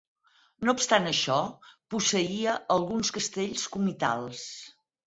No obstant això, posseïa alguns castells comitals.